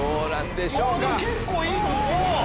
でも結構いいとこ。